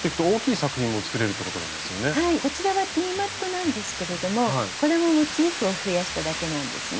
こちらはティーマットなんですけれどもこれもモチーフを増やしただけなんですね。